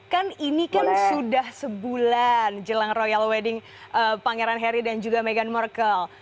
kan ini kan sudah sebulan jelang royal wedding pangeran harry dan juga meghan markle